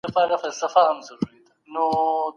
دا کلکین چا مات کړی دی دستي یې جوړ کړه.